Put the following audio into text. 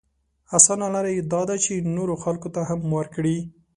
اسانه لاره يې دا ده چې نورو خلکو ته هم ورکړي.